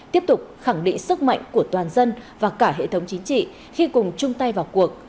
tiếp tục khẳng định sức mạnh của toàn dân và cả hệ thống chính trị khi cùng chung tay vào cuộc